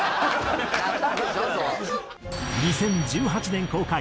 ２０１８年公開